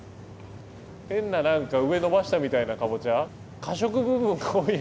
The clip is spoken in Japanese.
変な何か上伸ばしたみたいなかぼちゃ。